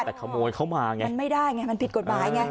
แต่ขโมยเขามาไงมันไม่ได้ไงมันผิดกฎหมายไง